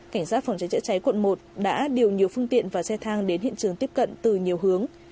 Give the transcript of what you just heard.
cảnh sát phòng cháy chữa cháy quận một đã điều nhiều phương tiện và xe thang đến hiện trường tiếp cận từ nhiều hướng